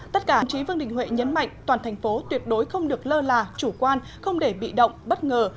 tất cả đồng chí vương đình huệ nhấn mạnh toàn thành phố tuyệt đối không được lơ là chủ quan không để bị động bất ngờ